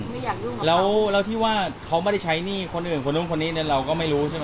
ไม่อยากยุ่งแล้วแล้วที่ว่าเขาไม่ได้ใช้หนี้คนอื่นคนนู้นคนนี้เนี่ยเราก็ไม่รู้ใช่ไหม